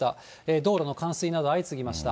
道路の冠水など相次ぎました。